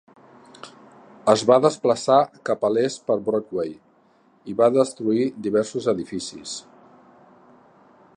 Es va desplaçar cap a l'est per Broadway i va destruir diversos edificis.